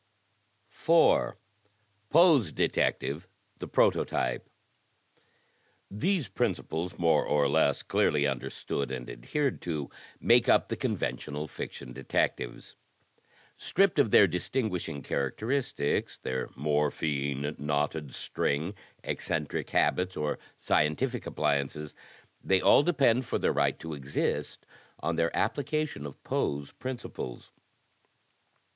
'' 4, Poe^s Detective — The Prototype These principles, more or less clearly understood and adhered to, make up the conventional Fiction Detectives. Stripped of their distinguishing characteristics, their morphine, knotted string, eccentric habits, or scientific appliances, they all depend for their right to exist, on their application of Poe's principles.